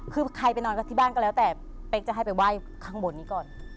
คือใครไปนอนกันที่บ้านก็แล้วแต่เป๊กจะให้ไปไหว้ข้างบนนี้ก่อน